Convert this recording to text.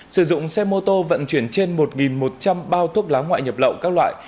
sử dụng xe mô tô vận chuyển trên một một trăm linh bao thuốc lá ngoại nhập lậu các loại